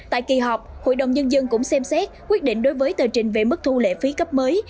tại kỳ họp hội đồng nhân dân cũng xem xét quyết định đối với tờ trình về mức thu lệ phí cấp mới